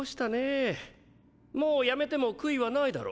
もう辞めても悔いはないだろ？